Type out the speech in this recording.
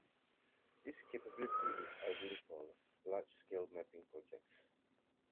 This capability is ideal for large-scale mapping projects.